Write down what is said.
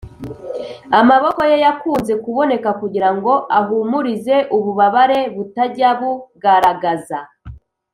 amaboko ye yakunze kuboneka kugirango ahumurize ububabare butajya bugaragaza.